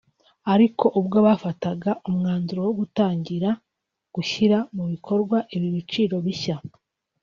Ariko ubwo bafataga umwanzuro wo gutangira gushyira mu bikorwa ibi biciro bishya